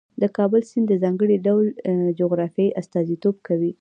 د کابل سیند د ځانګړي ډول جغرافیې استازیتوب کوي.